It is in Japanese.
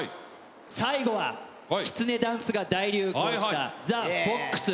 最後はキツネダンスが大流行したＴｈｅＦＯＸ。